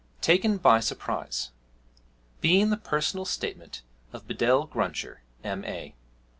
TAKEN BY SURPRISE BEING THE PERSONAL STATEMENT OF BEDELL GRUNCHER, M.A.